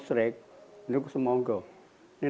saya sudah semangkuk